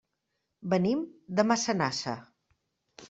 Venim de Massanassa.